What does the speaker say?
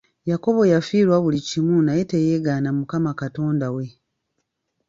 Yakobo yafiirwa buli kimu naye teyeegaana Mukama Katonda we.